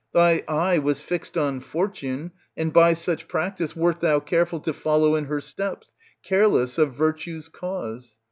Thy eye was fixed on Fortune, and by such practice wert thou careful to follow in her steps, careless of virtue's cause.